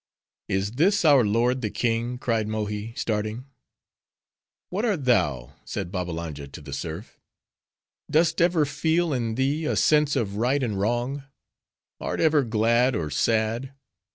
"Is this our lord the king?" cried Mohi, starting. "What art thou," said Babbalanja to the serf. "Dost ever feel in thee a sense of right and wrong? Art ever glad or sad?